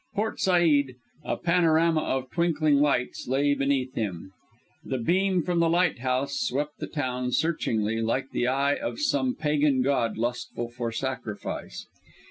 Port Said, a panorama of twinkling lights, lay beneath him. The beam from the lighthouse swept the town searchingly like the eye of some pagan god lustful for sacrifice.